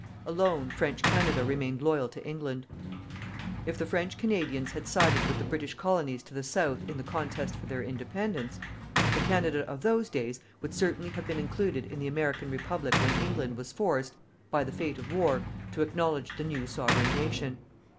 Alone French Canada remained loyal to England. If the French Canadians had sided with the British Colonies to the South in the contest for their Independence, the Canada of those days would certainly have been included in the American Republic when England was forced, by the fate of war, to acknowledge the new Sovereign nation.